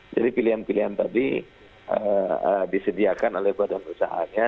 jadi pilihan pilihan tadi disediakan oleh badan usahanya